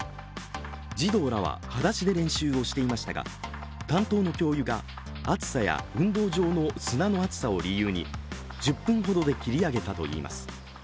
児童らははだしで練習をしていましたが担当の教諭が暑さや運動場の砂の熱さを理由に１０分ほどで切り上げたといいます。